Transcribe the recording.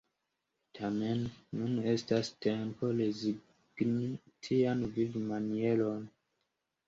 Tamen nun estas tempo rezigni tian vivmanieron.